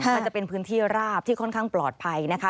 มันจะเป็นพื้นที่ราบที่ค่อนข้างปลอดภัยนะคะ